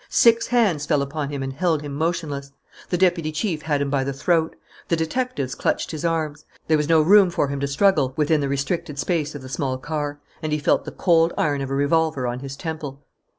Six hands fell upon him and held him motionless. The deputy chief had him by the throat. The detectives clutched his arms. There was no room for him to struggle within the restricted space of the small car; and he felt the cold iron of a revolver on his temple.